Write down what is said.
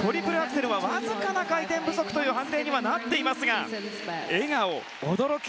トリプルアクセルはわずかな回転不足という判定になっていますが笑顔、驚き。